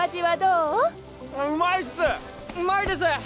うまいです！